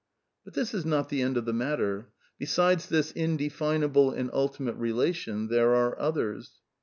But this is not the end of the matter. Besides this indefinable and ultimate relation there are others.